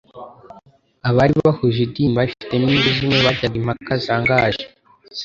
Abari bahuje idini barifitemo inyungu zimwe bajyaga impaka zitangaje